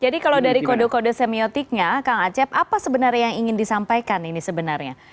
jadi kalau dari kode kode semiotiknya kang acep apa sebenarnya yang ingin disampaikan ini sebenarnya